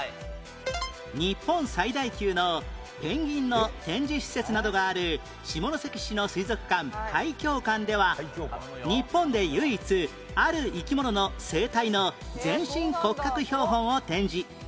日本最大級のペンギンの展示施設などがある下関市の水族館海響館では日本で唯一ある生き物の成体の全身骨格標本を展示